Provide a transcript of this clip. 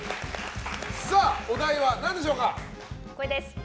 お題は何でしょうか？